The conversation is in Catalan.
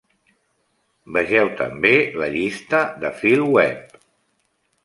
Vegeu també la llista de "Philweb".